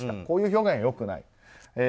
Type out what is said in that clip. こういう表現は良くない。